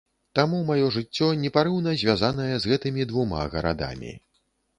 Таму маё жыццё непарыўна звязанае з гэтымі двума гарадамі.